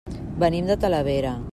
Venim de Talavera.